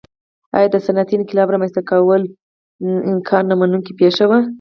ایا د صنعتي انقلاب رامنځته کېدل انکار نه منونکې پېښه وه.